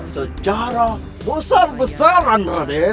secara besar besaran raden